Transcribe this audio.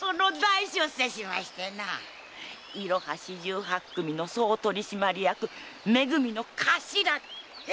“いろは四十八組”の総取締役め組の頭に！